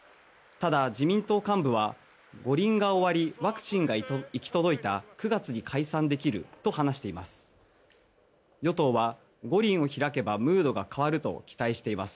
ただ、自民党幹部は五輪が終わりワクチンが行き届いた９月に解散できると話しています。